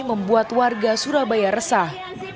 membuat warga surabaya resah